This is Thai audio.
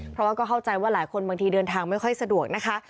เพราะว่าก็เข้าใจว่าหลายคนบางทีเดินทางไม่ค่อยสะดวกนะคะ